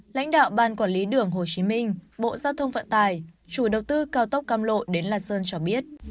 lãnh đạo ban quản lý đường hồ chí minh bộ giao thông vận tải chủ đầu tư cao tốc căm lộ đến lạt sơn cho biết